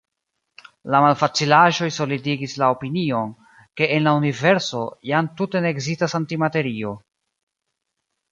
La malfacilaĵoj solidigis la opinion, ke en la universo jam tute ne ekzistas antimaterio.